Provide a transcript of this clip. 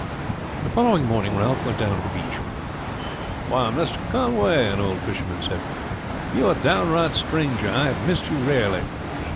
The following morning Ralph went down to the beach. "Why, Master Conway," an old fisherman said, "you are a downright stranger. I have missed you rarely."